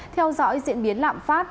theo dõi diễn biến lạm phát